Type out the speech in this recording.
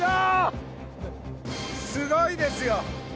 すごいですよ。